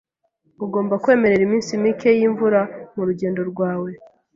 Ugomba kwemerera iminsi mike yimvura murugendo rwawe .